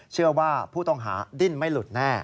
เชื่อว่าผู้ต้องหาดิ้นไม่หลุดแน่